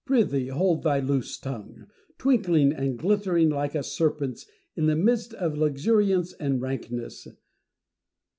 Prythee hold thy loose tongue, twinkling and glittering like a serpent's in the midst of luxuriance and rankness